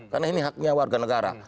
karena ini haknya warga negara